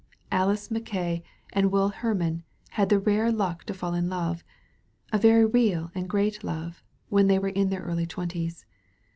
Alice Mackaye and Will Hermann had the rare luck to fall in love — a very real and great love — when they were in their early twenties.